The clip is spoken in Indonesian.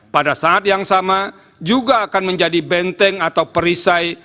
pada saat yang sama juga akan menjadi benteng atau perisai